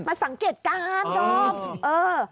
มาสังเกตการณ์ดรอมเออ